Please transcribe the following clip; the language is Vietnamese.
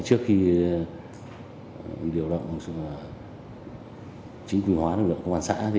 trước khi điều động chính quy hóa lực lượng công an xã